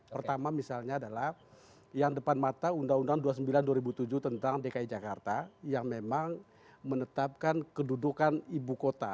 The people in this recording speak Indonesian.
pertama misalnya adalah yang depan mata undang undang dua puluh sembilan dua ribu tujuh tentang dki jakarta yang memang menetapkan kedudukan ibu kota